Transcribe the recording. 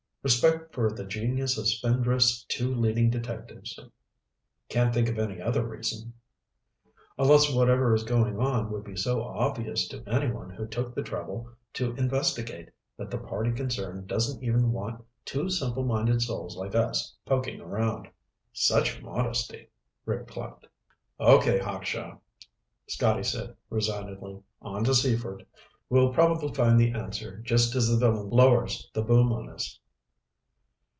"Respect for the genius of Spindrift's two leading detectives. Can't think of any other reason." "Unless whatever is going on would be so obvious to anyone who took the trouble to investigate that the party concerned doesn't even want two simple minded souls like us poking around." "Such modesty," Rick clucked. "Okay, Hawkshaw," Scotty said resignedly. "On to Seaford. We'll probably find the answer just as the villain lowers the boom on us."